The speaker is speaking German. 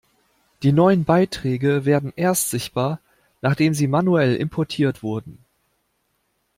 Die neuen Beiträge werden erst sichtbar, nachdem sie manuell importiert wurden.